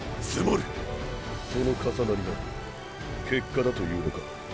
その重なりが結果だと言うのか？